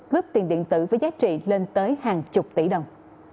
cướp tiền điện tử với giá trị lên tới hàng chục tỷ đồng